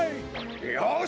よし！